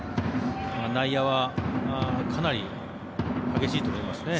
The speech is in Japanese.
内野はかなり激しいと思いますね。